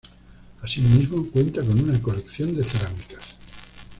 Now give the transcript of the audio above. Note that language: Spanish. Asimismo cuenta con una colección de cerámicas.